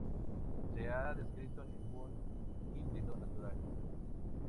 No se ha descrito ningún híbrido natural.